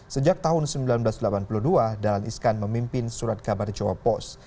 sejak tahun seribu sembilan ratus delapan puluh dua dahlan iskan memimpin surat kabar jawa post